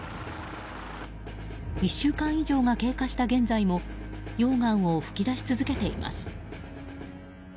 １週間以上が経過した現在も溶岩を噴き出し続けています。